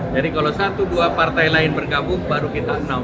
jadi kalau satu dua partai lain berkabung baru kita enam